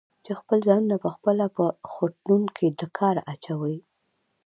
چې خپل ځانونه پخپله په خوټلون کې له کاره اچوي؟